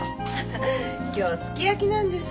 今日すき焼きなんです。